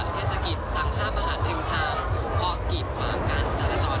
และแค่สักกิจสังภาพอาหารหนึ่งทางพกิจมากันจันทรัศน์ค่ะ